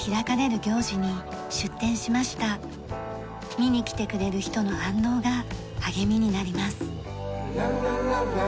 見に来てくれる人の反応が励みになります。